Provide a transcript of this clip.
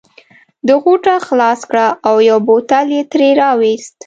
ده غوټه خلاصه کړه او یو بوتل یې ترې را وایست.